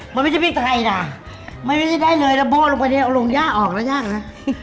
มันไม่ใช่พริกไทยนะมันไม่ใช่ได้เลยแล้วโบ้ลงไปเนี่ยเอาลงย่าออกแล้วย่างนะ